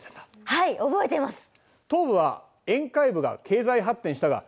はい覚えてます。